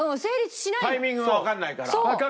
タイミングわかんないから。